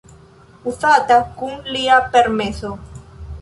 Uzata kun lia permeso.